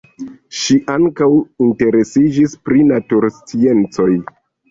Ŝi ankaŭ interesiĝis pri natursciencoj.